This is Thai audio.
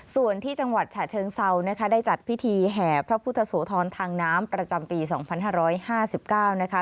ส่วนที่จังหวัดฉะเชิงเซานะคะได้จัดพิธีแห่พระพุทธโสธรทางน้ำประจำปีสองพันห้าร้อยห้าสิบเก้านะคะ